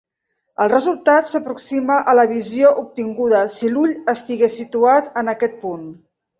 El resultat s'aproxima a la visió obtinguda si l'ull estigués situat en aquest punt.